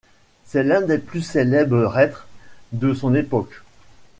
C'est l'un des plus célèbres reîtres de son époque.